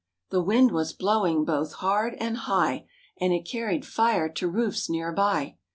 The wind was blowing both hard and high, And it carried fire to roofs near by.